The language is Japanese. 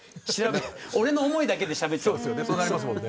俺の思いだけでしゃべってますから。